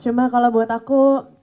cuma kalo buat aku